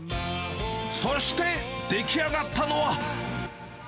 そして、出来上がったのは。